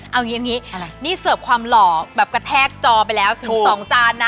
เอาอย่างนี้นี่เสิร์ฟความหล่อแบบกระแทกจอไปแล้วถึง๒จานนะ